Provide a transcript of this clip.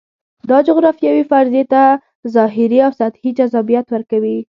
دا جغرافیوي فرضیې ته ظاهري او سطحي جذابیت ورکوي.